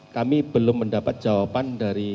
kami belum mendapat jawaban dari